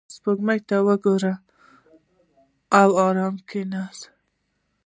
• سپوږمۍ ته وګوره او آرامه کښېنه.